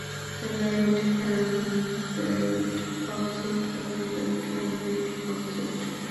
Right handed object হবে left handed object.